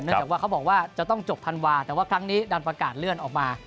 จากว่าเขาบอกว่าจะต้องจบธันวาแต่ว่าครั้งนี้ดันประกาศเลื่อนออกมา